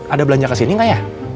ada belanja kesini gak ya